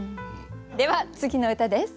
では次の歌です。